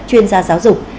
chuyên gia giáo dục